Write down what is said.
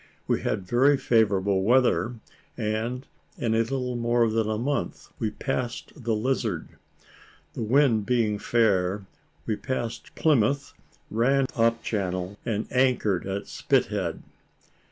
We had very favourable weather, and in a little more than a month we passed the Lizard. The wind being fair, we passed Plymouth, ran up Channel, and anchored at Spithead.